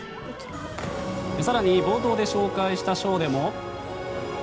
更に冒頭で紹介したショーでも。